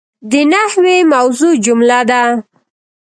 د نحوي موضوع جمله ده.